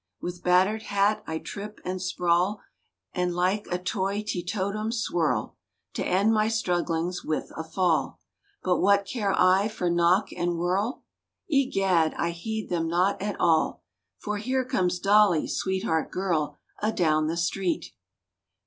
With battered hat I trip and sprawl And like a toy tee to tum swirl, To end my strugglings with a fall— But what care I for knock and whirl?— Egad! I heed them not at all; For here comes Dolly—sweetheart girl!— Adown the street!